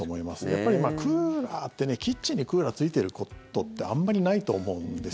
やっぱりクーラーってキッチンにクーラーついてることってあんまりないと思うんです。